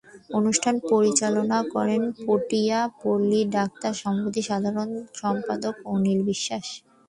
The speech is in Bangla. অনুষ্ঠান পরিচালনা করেন পটিয়া পল্লি ডাক্তার সমিতির সাধারণ সম্পাদক অনিল বিশ্বাস।